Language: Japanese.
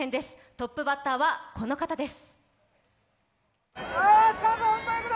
トップバッターはこの方です。